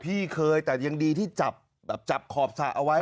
พี่เคยแต่ยังดีที่จับแบบจับขอบสระเอาไว้